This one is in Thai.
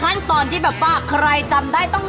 ใช่จริงไหมคะจริง